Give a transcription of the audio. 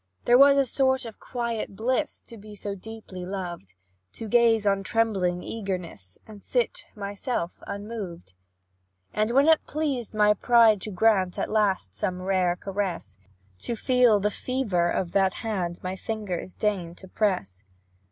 "There was a sort of quiet bliss To be so deeply loved, To gaze on trembling eagerness And sit myself unmoved. And when it pleased my pride to grant At last some rare caress, To feel the fever of that hand My fingers deigned to press.